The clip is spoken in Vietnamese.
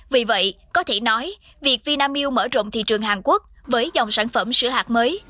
vì vậy có thể nói việc vinamilk mở rộng thị trường hàn quốc với dòng sản phẩm sữa hạt mới